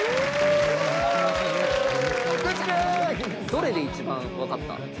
どれで一番分かった？